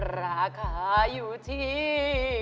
ราคาอยู่ที่